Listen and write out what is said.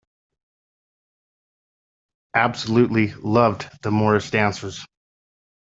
Absolutely loved the Morris dancers!